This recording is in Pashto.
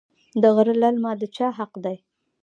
د غره للمه د چا حق دی؟